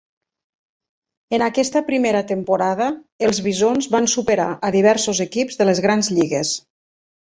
En aquesta primera temporada, els Bisons van superar a diversos equips de les grans lligues.